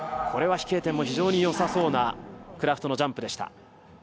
これは飛型点も非常によさそうなクラフトのジャンプでした。